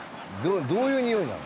どういうにおいなの？